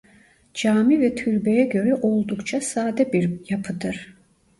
Cami ve türbeye göre oldukça sade bir yapıdır.